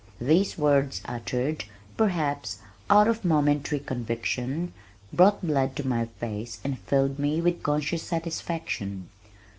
These words uttered, perhaps, out of momentary conviction brought the blood to my face and filled me with conscious satisfaction.